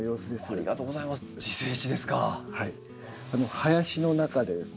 林の中でですね